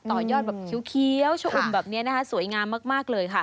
ต่อยอดแบบเคี้ยวชะอุ่มแบบนี้นะคะสวยงามมากเลยค่ะ